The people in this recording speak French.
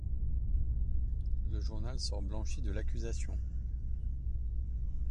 Le journal sort blanchi de l'accusation.